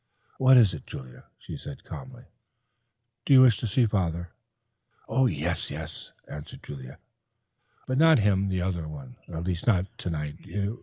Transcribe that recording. "What is it, Julia?" she said calmly. "Do you wish to see father?" "Oh, yes, yes," answered Julia, "but not him, the other one—at least not tonight.